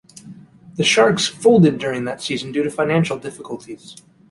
The Sharks folded during that season due to financial difficulties.